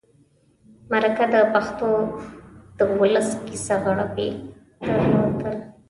مرکه د پښتو دولس کسه غړي درلودل.